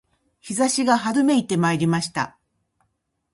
陽射しが春めいてまいりました